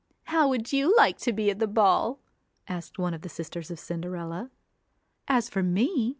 'How would you like to be at the ball?' asked one of the sisters of Cinderella. 'As for me!'